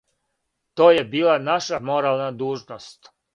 То је била наша морална дужност...